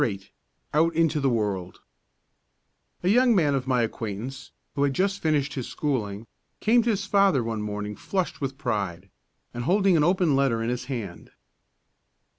VIII OUT INTO THE WORLD A young man of my acquaintance, who had just finished his schooling, came to his father one morning, flushed with pride, and holding an open letter in his hand.